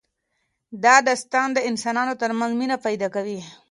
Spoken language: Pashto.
دا داستان د انسانانو ترمنځ مینه پیدا کوي.